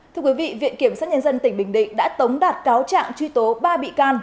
thưa quý vị viện kiểm sát nhân dân tỉnh bình định đã tống đạt cáo trạng truy tố ba bị can